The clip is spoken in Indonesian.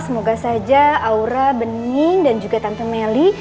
semoga saja aura bening dan juga tante melly